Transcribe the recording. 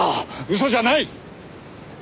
嘘じゃない！